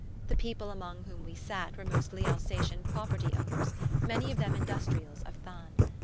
The people among whom we sat were mostly Alsatian property owners, many of them industrials of Thann.